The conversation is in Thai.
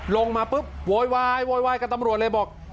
ลงมาปุ๊บโวยวายกับตำรวจเลยบอก